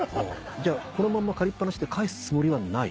じゃあこのまんま借りっぱなしで返すつもりはない？